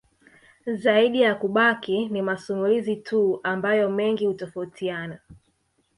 Zaidi ya kubaki ni masimulizi tu ambayo mengi hutofautina